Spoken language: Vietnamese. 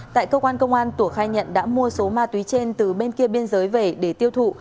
tại cơ quan công an tủa khai nhận đã mua số ma túy trên từ bên kia biên giới về để tiêu thụ